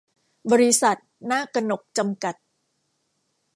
บริษัท นากกนก จำกัด